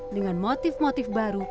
dengan motif motif baru